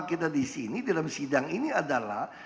kita disini dalam sidang ini adalah